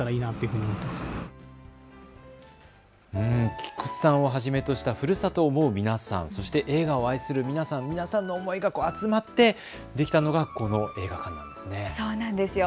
菊池さんをはじめとしたふるさとを思う皆さん、そして映画を愛する皆さんの思いが集まってできたのがこの映画館なんですね。